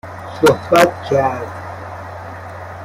صحبت کرد